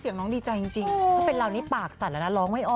อุ๊ยร้องแบบทุกเพลงเลยอะไรอย่างนี้